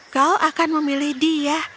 kau akan memilih dia